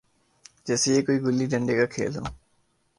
جیسے یہ کوئی گلی ڈنڈے کا کھیل ہو۔